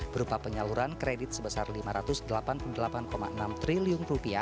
berupa penyaluran kredit sebesar rp lima ratus delapan puluh delapan enam triliun